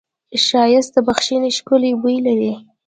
ښایست د بښنې ښکلی بوی لري